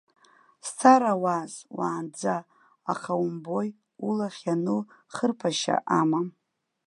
Сцарауааз уаанӡа, аха умбои, улахь иану хырԥашьа амам.